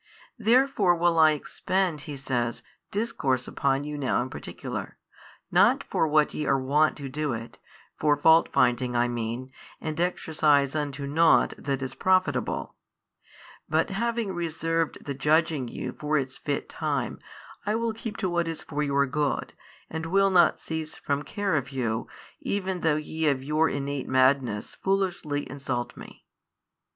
Therefore will I expend (He says) discourse upon you now in particular, not for what ye are wont to do it, for faultfinding I mean and exercise unto nought that is profitable: but having reserved the judging you for its fit time, I will keep to what is for your good, and will not cease from care of you, even though ye of your innate madness foolishly insult Me.